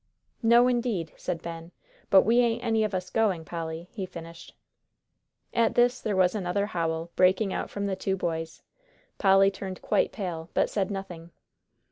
"No, indeed," said Ben. "But we ain't any of us going, Polly," he finished. At this there was another howl, breaking out from the two boys. Polly turned quite pale, but said nothing.